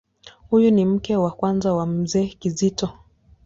Huyu ni mke wa kwanza wa Mzee Kizito.